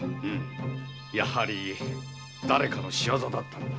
やはりだれかの仕業だったんだ。